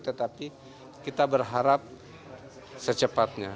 tetapi kita berharap secepatnya